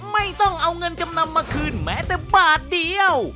ไม่ต้องเอาเงินจำนำมาคืนแม้แต่บาทเดียว